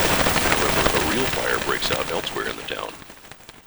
However, a real fire breaks out elsewhere in the town.